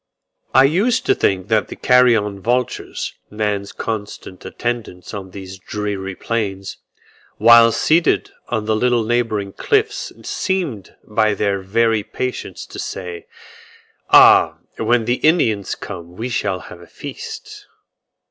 I used to think that the carrion vultures, man's constant attendants on these dreary plains, while seated on the little neighbouring cliffs seemed by their very patience to say, "Ah! when the Indians come we shall have a feast."